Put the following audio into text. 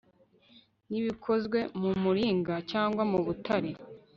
n'ibikozwe mu muringa cyangwa mu butare